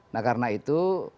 nah karena itu